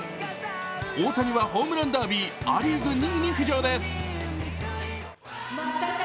大谷はホームランダービーア・リーグ２位に浮上尾です。